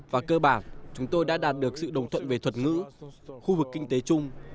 và cơ bản chúng tôi đã đạt được sự đồng thuận về thuật ngữ khu vực kinh tế chung